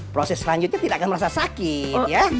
proses selanjutnya tidak akan merasa sakit ya